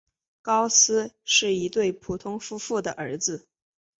高斯是一对普通夫妇的儿子。